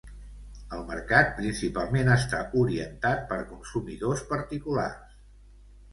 El mercat principalment està orientat per consumidors particulars.